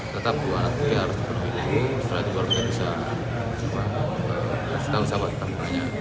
tetap dua tiga harus dipenuhi setelah itu baru kita bisa mencoba